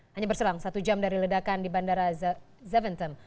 hanya berselang satu jam dari ledakan di bandara zeventem